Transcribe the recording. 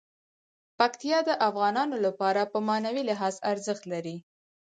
پکتیکا د افغانانو لپاره په معنوي لحاظ ارزښت لري.